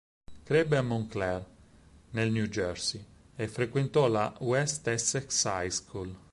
Crebbe a Montclair, nel New Jersey, e frequentò la West Essex High School.